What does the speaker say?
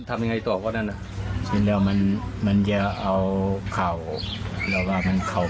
ทีนี้ว่าใช่กูนุบัยว่า